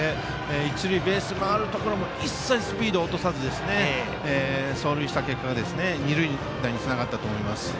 一塁ベースを回るところも一切、スピードを落とさず走塁した結果二塁打につながったと思います。